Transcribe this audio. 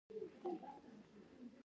انار د بدن د کالورۍ توازن ساتي.